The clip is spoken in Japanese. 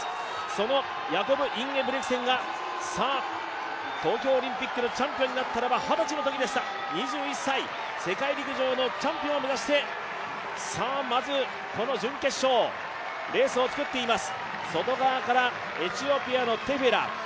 そのヤコブ・インゲブリクセンが東京オリンピックのチャンピオンになったのは二十歳のときでした、２１歳、世界陸上のチャンピオンを目指して、まずこの準決勝レースをつくっています。